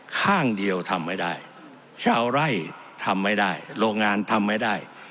ข้างเดียวทำไม่ได้ชาวไร่ทำไม่ได้โรงงานทำไม่ได้